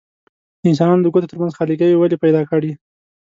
د انسانانو د ګوتو ترمنځ خاليګاوې ولې پیدا کړي؟